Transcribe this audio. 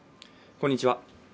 こんにちは